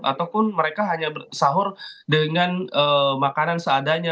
ataupun mereka hanya sahur dengan makanan seadanya